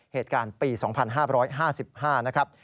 เหตุการณ์ปี๒๕๕๕นะครับ